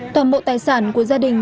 toàn bộ tài sản của gia đình